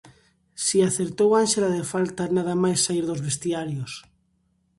Si acertou Ánxela de falta nada máis saír dos vestiarios.